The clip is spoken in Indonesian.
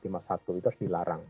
itu harus dilarang